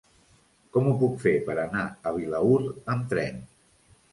Com ho puc fer per anar a Vilaür amb tren?